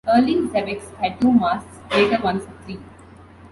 Early xebecs had two masts; later ones three.